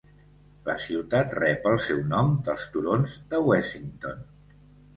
La ciutat rep el seu nom dels turons de Wessington.